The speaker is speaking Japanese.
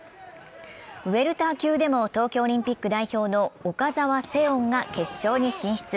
ウエルター級でも東京オリンピック代表の岡澤セオンが決勝に進出。